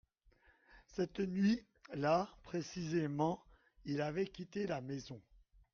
cette nuit-là précisément il avait quitté la maison.